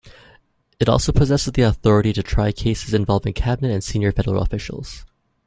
It also possesses the authority to try cases involving cabinet and senior federal officials.